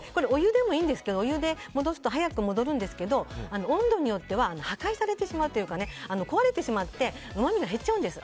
これ、お湯でも早く戻るんですけど温度によっては破壊されてしまうというか壊れてしまってうまみが減っちゃうんです。